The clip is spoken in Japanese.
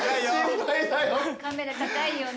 カメラ高いよね。